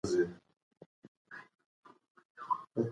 ښوونځي به بریالي شوي وي.